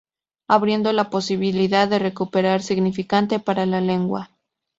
Abriendo la posibilidad de recuperar significante parte de la lengua.